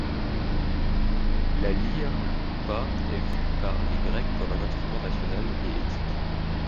La lyre λύρα est vue par les Grecs comme un instrument national et éthique.